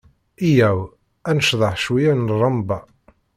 Yya-w ad nceḍḥet cwiyya n ṛṛamba.